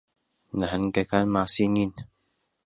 نەھەنگەکان ماسی نین.